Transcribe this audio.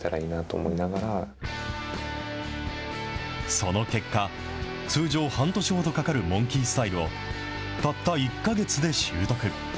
その結果、通常、半年ほどかかるモンキースタイルを、たった１か月で習得。